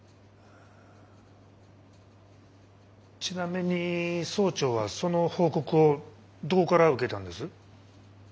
ちなみに総長はその報告をどこから受けたんです？